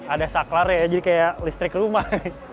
ada saklar ya jadi kayak listrik rumah